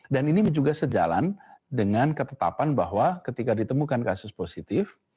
dan ini juga sejalan dengan ketetapan bahwa ketika ditemukan kasus positif